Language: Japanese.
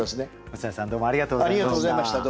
細谷さんどうもありがとうございました。